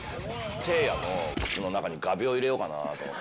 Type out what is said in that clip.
せいやの靴の中に画びょう入れようかなと思って。